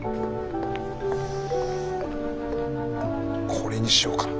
これにしようかな。